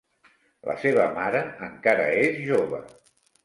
La seva mare encara és jove.